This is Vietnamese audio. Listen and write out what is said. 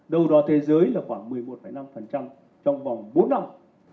đầu đó thế giới là khoảng một mươi một năm trong vòng bốn năm hai nghìn một mươi chín hai nghìn hai mươi ba